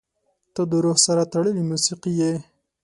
• ته د روح سره تړلې موسیقي یې.